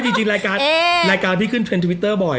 จริงรายการที่ขึ้นเชิญทวิตเตอร์บ่อย